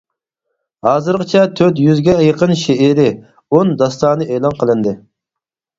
ھازىرغىچە تۆت يۈزگە يېقىن شېئىرى، ئون داستانى ئېلان قىلىندى.